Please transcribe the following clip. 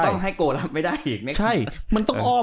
ต้องให้โกลับไม่ได้อีก